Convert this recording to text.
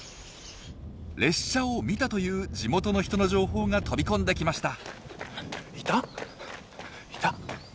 列車を見たという地元の人の情報が飛び込んできました。